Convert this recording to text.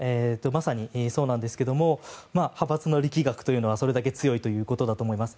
まさにそうなんですが派閥の力学というのはそれだけ強いということです。